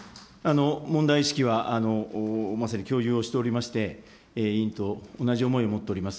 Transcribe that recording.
問題意識は、まさに共有をしておりまして、委員と同じ思いを持っております。